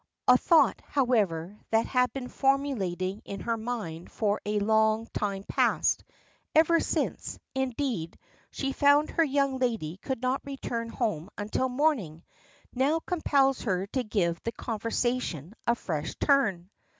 A thought, however, that had been formulating in her mind for a long time past ever since, indeed, she found her young lady could not return home until morning now compels her to give the conversation a fresh turn.